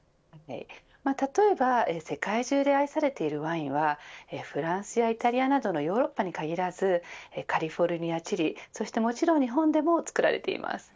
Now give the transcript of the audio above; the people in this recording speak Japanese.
例えば世界中で愛されているワインはフランスやイタリアなどのヨーロッパに限らずカリフォルニア、チリもちろん日本でも造られています。